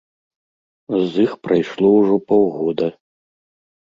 З іх прайшло ўжо паўгода.